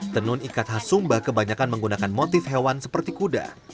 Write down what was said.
tenun ikat khas sumba kebanyakan menggunakan motif hewan seperti kuda